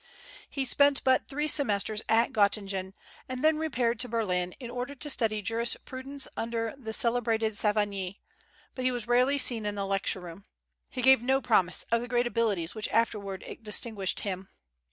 He spent but three semestres at Göttingen, and then repaired to Berlin in order to study jurisprudence under the celebrated Savigny; but he was rarely seen in the lecture room. He gave no promise of the great abilities which afterward distinguished him.